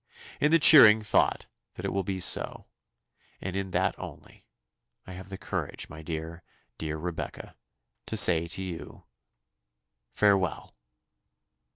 In the cheering thought that it will be so, and in that only, I have the courage, my dear, dear Rebecca, to say to you "Farewell!